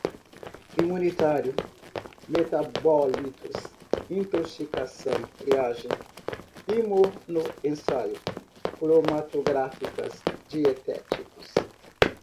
imunitário, metabólitos, intoxicação, triagem, imunoensaio, cromatográficas, dietéticos